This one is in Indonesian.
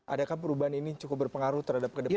adakah perubahan ini cukup berpengaruh terhadap kedepannya